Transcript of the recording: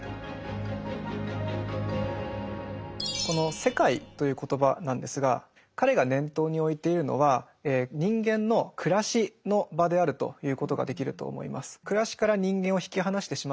この「世界」という言葉なんですが彼が念頭に置いているのは人間の暮らしの場であると言うことができると思います。